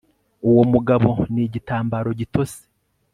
uwo mugabo ni igitambaro gitose